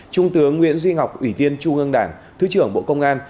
trung tướng nguyễn duy ngọc ủy viên trung ương đảng thứ trưởng bộ công an